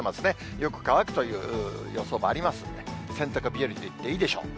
よく乾くという予想もありますんで、洗濯日和といっていいでしょう。